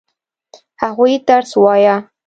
هغوی درس ووايه؟